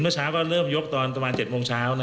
เช้าก็เริ่มยกตอนประมาณ๗โมงเช้า